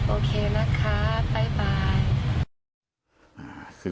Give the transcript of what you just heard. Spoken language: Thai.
โอเคนะคะบ๊ายบาย